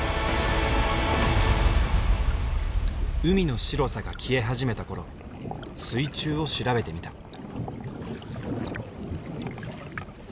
海の白さが消え始めた頃水中を調べてみた。